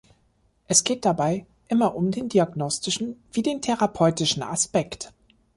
Es geht dabei immer um den diagnostischen wie den therapeutischen Aspekt.